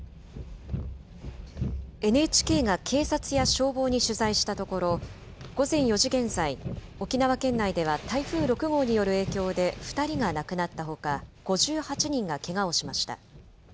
ＮＨＫが警察や消防に取材したところ、午前４時現在、沖縄県内では台風６号による影響で２人が亡くなったほか、５８人がけがをしました。